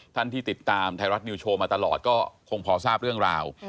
ท่านที่ติดตามไทยรัฐนิวโชว์มาตลอดก็คงพอทราบเรื่องราว